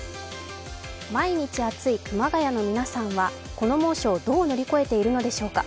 毎日暑い熊谷の皆さんはこの猛暑をどう乗り越えているのでしょうか。